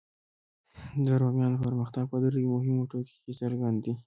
د رومیانو پرمختګ په دریو مهمو ټکو کې څرګند دی.